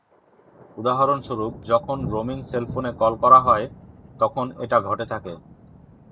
উদাহরণস্বরূপ, যখন রোমিং সেলফোনে কল করা হয়, তখন এটা ঘটে থাকে।